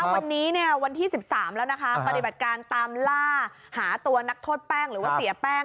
วันนี้วันที่๑๓แล้วนะคะปฏิบัติการตามล่าหาตัวนักโทษแป้งหรือว่าเสียแป้ง